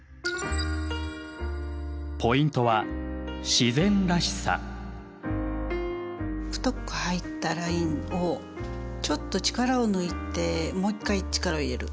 ポイントは太く入ったラインをちょっと力を抜いてもう一回力を入れる。